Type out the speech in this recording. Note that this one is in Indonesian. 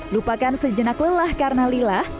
lupakan sejenak lelah karena lilah